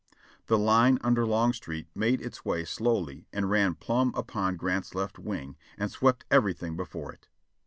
The line under Longstreet made its way slowly and ran plum upon Grant's left wing, and swept everything before it.